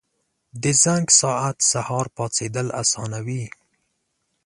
• د زنګ ساعت سهار پاڅېدل اسانوي.